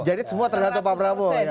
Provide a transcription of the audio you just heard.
jadi semua terdata pak prabowo